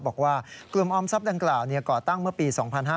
บอกว่ากลุ่มออมทรัพย์ดังกล่าวก่อตั้งเมื่อปี๒๕๕๙